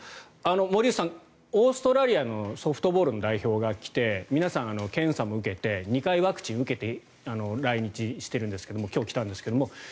森内さん、オーストラリアのソフトボールの代表が来て皆さん、検査も受けて２回ワクチンを受けて来日しているんですけど今日来たんですが。